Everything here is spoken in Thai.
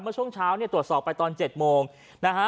มุดช่วงเช้าตรวจสอบไปตอน๗โมงนะฮะ